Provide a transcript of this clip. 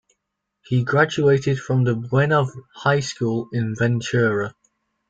He graduated from the Buena High School in Ventura.